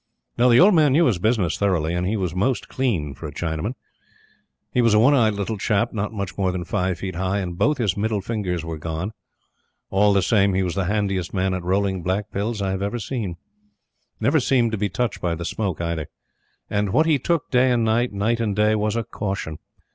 No; the old man knew his business thoroughly, and he was most clean for a Chinaman. He was a one eyed little chap, not much more than five feet high, and both his middle fingers were gone. All the same, he was the handiest man at rolling black pills I have ever seen. Never seemed to be touched by the Smoke, either; and what he took day and night, night and day, was a caution.